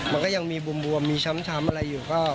มันก็ยังมีบวมมีช้ำอะไรอยู่